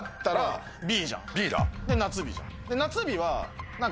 で夏日じゃん。